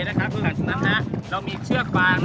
เรามีเชือกบาง